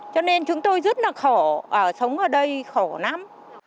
cho nên chúng tôi rất là khổ sống ở đây khổ lắm